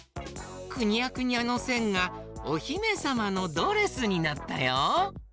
くにゃくにゃのせんが「おひめさまのドレス」になったよ！